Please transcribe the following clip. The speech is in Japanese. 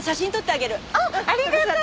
あっありがとう。